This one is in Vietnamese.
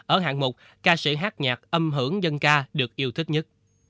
ở hạng mục ca sĩ hát nhạc âm hưởng dân ca được yêu thích nhất